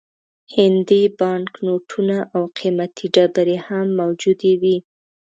هندي بانک نوټونه او قیمتي ډبرې هم موجودې وې.